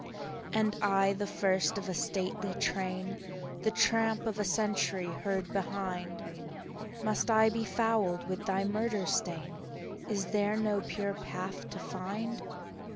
" And I, the first of a stately train, The tramp of a century heard behind, Must I be fouled with thy murder stain? Is there no pure path to find?